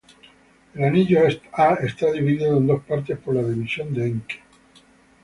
El anillo A está dividido en dos partes por la división de Encke.